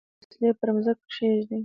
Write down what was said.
وسلې پر مځکه کښېږدي.